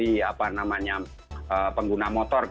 ini memang pada prakteknya memang cukup serius